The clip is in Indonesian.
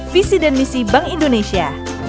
visi dan misi bank indonesia